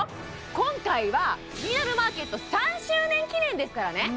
今回は「キニナルマーケット」３周年記念ですからね